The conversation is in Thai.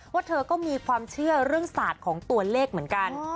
เธอก็มีความเชื่อเรื่องศาสตร์ของตัวเลขเหมือนกัน